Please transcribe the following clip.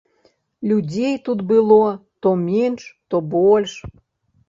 Людзей тут было то менш, то больш.